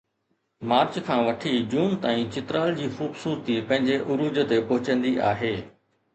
march کان وٺي June تائين چترال جي خوبصورتي پنهنجي عروج تي پهچندي آهي